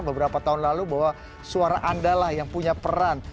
beberapa tahun lalu bahwa suara anda lah yang punya peran